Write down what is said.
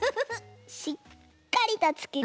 しっかりとつけて。